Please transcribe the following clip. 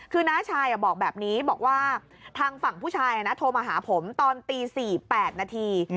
คือน้าชายบอกแบบนี้บอกว่าทางฝั่งผู้ชายโทรมาหาผมตอนตี๔๘นาที